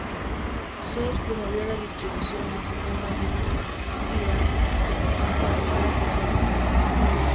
Sos promovió la distribución de su juego en The Pirate Bay para comercializarlo.